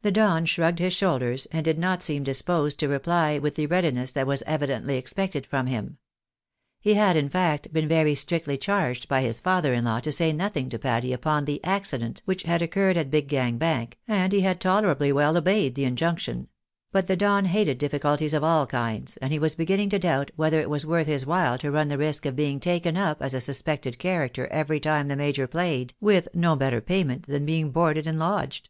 The Don shrugged his shoulders, and did not seem disposed to reply with the readiness that was evidently expected from him. He had, in fact, been very strictly charged by his father in law to say nothing to Patty upon the accident which had occurred at Big Gang Bank, and he had tolerably well obeyed the injunction ; but the Don hated difficulties of all kinds, and he was beginning to doubt whether it were worth his while to run the risk of being taken up as a suspected character every time the major played, vnth. no better payment than being boarded and lodged.